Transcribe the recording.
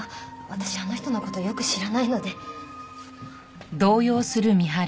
私あの人の事よく知らないので。